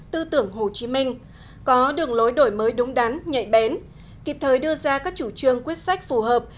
tư tưởng hồ chí minh có đường lối đổi mới đúng đắn nhạy bén kịp thời đưa ra các chủ trương quyết sách phù hợp